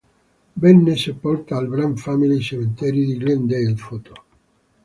Venne sepolta al Brand Family Cemetery di Glendale Foto.